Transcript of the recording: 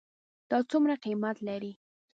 دا څومره قیمت لري ?